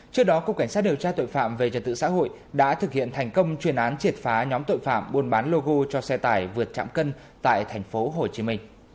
trước đó cục cảnh sát điều tra tội phạm về trật tự xã hội đã thực hiện thành công chuyên án triệt phá nhóm tội phạm buôn bán logo cho xe tải vượt trạm cân tại tp hcm